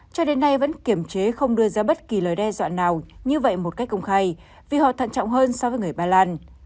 cho đến nay vẫn kiểm chế không đưa ra bất kỳ lời đe dọa nào như vậy một cách công khai vì họ thận trọng hơn so với người ba lan